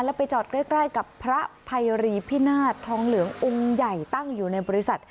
แล้วไปจอดใกล้กับพระภัยรีพินาศทองเหลืององค์ใหญ่ตั้งอยู่ในบริษัท